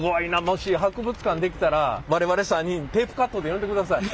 もし博物館できたら我々３人テープカットで呼んでください。